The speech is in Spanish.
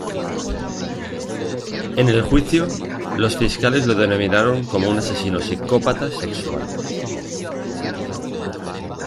En el juicio, los fiscales lo denominaron como un asesino psicópata sexual.